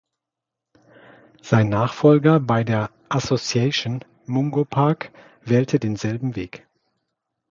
Sein Nachfolger bei der "Association", Mungo Park, wählte denselben Weg.